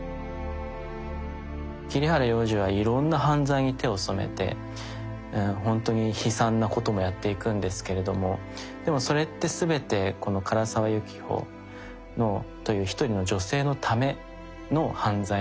桐原亮司はいろんな犯罪に手を染めてほんとに悲惨なこともやっていくんですけれどもでもそれって全てこの唐沢雪穂という一人の女性のための犯罪なんですよね。